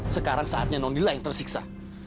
sekarang saatnya nona yang tersiksa